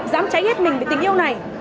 dám cháy hết mình với tình yêu này